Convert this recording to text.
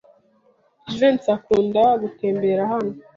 Jivency akunda gutembera hano.